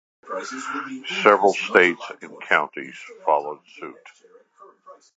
Several states and counties followed suit.